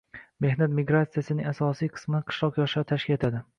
Mehnat migratsiyasining asosiy qismini qishloq yoshlari tashkil qiladi.